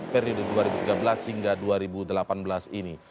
periode dua ribu tiga belas hingga dua ribu delapan belas ini